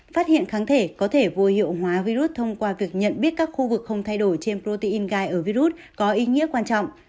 phát hiện kháng thể có thể vô hiệu hóa virus thông qua việc nhận biết các khu vực không thay đổi trên protein gai ở virus có ý nghĩa quan trọng